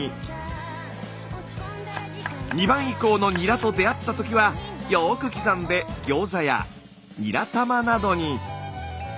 ２番以降のニラと出会った時はよく刻んでギョーザやニラ玉などに。